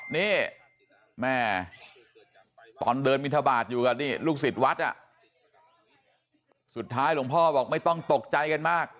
นี่แม่ตอนเดินบินทบาทอยู่กับนี่ลูกศิษย์วัดอ่ะสุดท้ายหลวงพ่อบอกไม่ต้องตกใจกันมาก